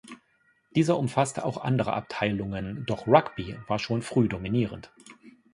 Dieser umfasste auch andere Abteilungen, doch Rugby war schon früh dominierend.